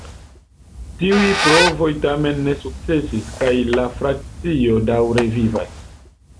Tiuj provoj tamen ne sukcesis, kaj la frakcio daŭre vivas.